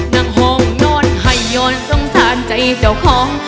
นั่งห้องนอนไข่ยอนสงสารใจเจ้าของ